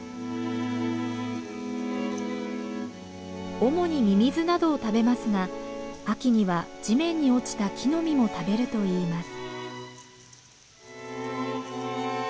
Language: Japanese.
主にミミズなどを食べますが秋には地面に落ちた木の実も食べるといいます。